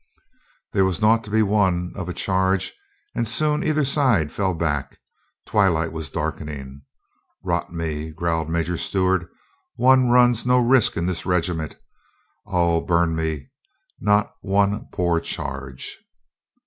There was naught to be won of a charge, and soon either side fell back. Twilight was darkening. "Rot me!" growled Major Stewart, "one runs no risks in this regiment. Od burn me, not one poor charge